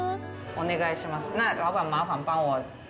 お願いします。